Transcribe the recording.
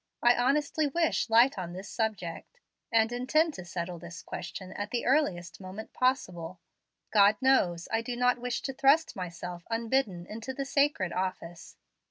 I honestly wish light on this subject, and intend to settle this question at the earliest moment possible. God knows I do not wish to thrust myself unbidden into the sacred office.